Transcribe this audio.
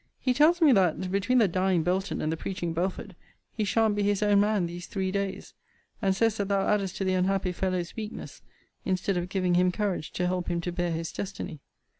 He tells me that, between the dying Belton and the preaching Belford, he shan't be his own man these three days: and says that thou addest to the unhappy fellow's weakness, instead of giving him courage to help him to bear his destiny.